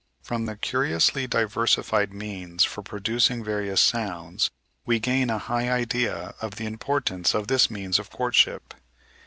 From the curiously diversified means for producing various sounds, we gain a high idea of the importance of this means of courtship.